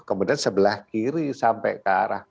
kemudian sebelah kiri sampai ke arah